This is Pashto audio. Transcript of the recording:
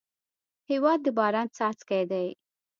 هېواد د باران څاڅکی دی.